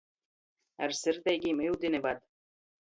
Ar sirdeigim iudini vad!